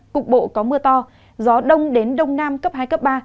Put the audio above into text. cục bộ có mưa to gió đông đến đông nam cấp hai cấp ba